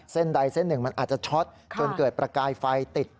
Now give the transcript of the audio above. เส้นใดเส้นหนึ่งมันอาจจะช็อตจนเกิดประกายไฟติด